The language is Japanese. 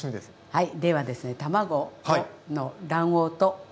はい。